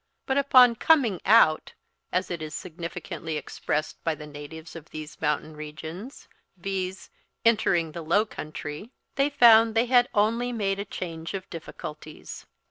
But upon coming out, as it is significantly expressed by the natives of these mountain regions, viz. entering the low country, they found they had only made a change of difficulties.